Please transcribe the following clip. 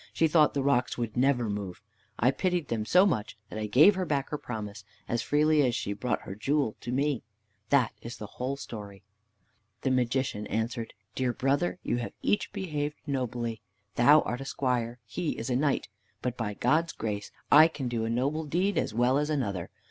She thought the rocks would never move. I pitied them so much that I gave her back her promise as freely as she brought her jewel to me. That is the whole story!" The Magician answered, "Dear brother, you have each behaved nobly. Thou art a squire, he is a knight, but by God's grace I can do a noble deed as well as another.